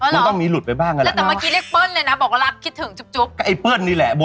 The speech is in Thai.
มันต้องมีหลุดไปบ้างอะแหละ